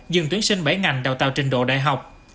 dừng tuyển sinh bảy ngành đào tạo trình độ đại học